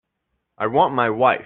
I want my wife.